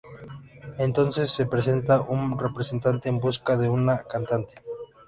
Entonces se presenta un representante en busca de una cantante.